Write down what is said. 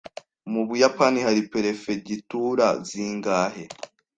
Mu Buyapani hari perefegitura zingahe?